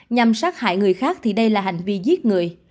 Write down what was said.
nhằm sát hại người khác thì đây là hành vi giết người